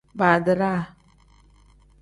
Badiraa.